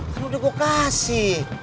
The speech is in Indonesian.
kan udah gue kasih